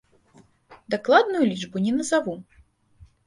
Дакладную лічбу не назаву.